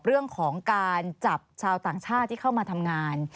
เรื่องของการจับชาวต่างชาติที่เข้ามาทำงาน